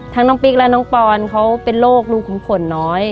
น้องปิ๊กและน้องปอนเขาเป็นโรครูขุมขนน้อย